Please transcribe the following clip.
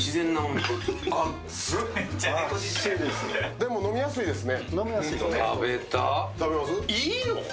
でも飲みやすいですね。